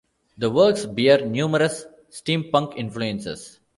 The works bear numerous steampunk influences.